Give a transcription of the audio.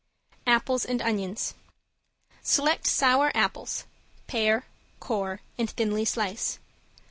~APPLES AND ONIONS~ Select sour apples, pare, core and thinly slice.